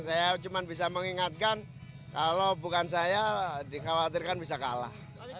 saya cuma bisa mengingatkan kalau bukan saya dikhawatirkan bisa kalah